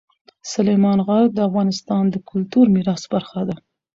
سلیمان غر د افغانستان د کلتوري میراث برخه ده.